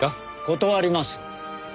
断ります。